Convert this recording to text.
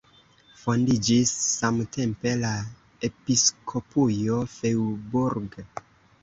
Fondiĝis samtempe la Episkopujo Freiburg.